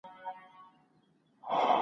زخمي زخمي ټوټه ټوټه دي کړمه